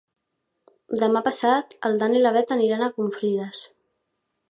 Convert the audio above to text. Demà passat en Dan i na Bet aniran a Confrides.